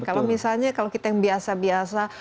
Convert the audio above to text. kalau misalnya kalau kita yang biasa biasa